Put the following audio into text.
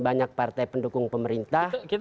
banyak partai pendukung pemerintah